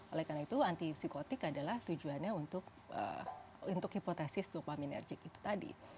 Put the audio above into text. oleh karena itu antipsikotik adalah tujuannya untuk hipotesis dopaminergic itu tadi